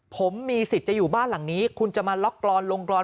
ผมมีสิทธิ์จะอยู่บ้านหลังนี้คุณจะมาล็อกกรอนลงกรอน